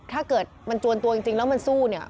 ถ้าเกิดมันจวนตัวจริงแล้วมันสู้เนี่ย